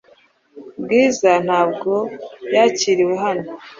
Bwiza ntabwo yakiriwe hano .